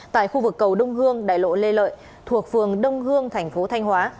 tại khu vực cầu đông hương đại lộ lê lợi thuộc phường đông hương thành phố thanh hóa